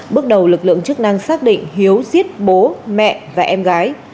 bước đầu lực lượng chức năng xác định hiếu giết bố mẹ và em gái